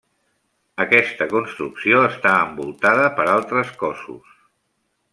Aquesta construcció està envoltada per altres cossos.